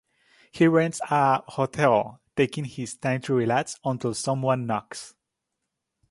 He rents a hotel, taking his time to relax until someone knocks.